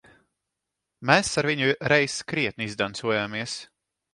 Mēs ar viņu reiz krietni izdancojāmies.